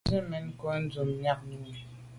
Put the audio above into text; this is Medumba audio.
Mba zit mèn no nke mbù’ miag mi.